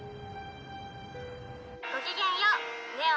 「ごきげんよう。